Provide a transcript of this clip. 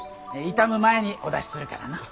傷む前にお出しするからのう。